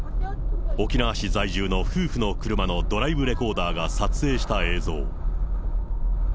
沖縄市在住の夫婦の車のドライブレコーダーが撮影した映像。